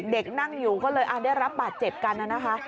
เด็กนั่งอยู่ก็เลยได้รับบาดเจ็บกัน